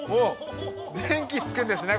電気つくんですね